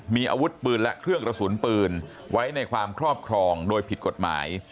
มีอาวุธปืนและเครื่องกระสุนปืนไว้ในความครอบครองโดยผิดกฎหมาย